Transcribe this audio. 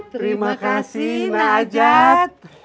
terima kasih na'ajat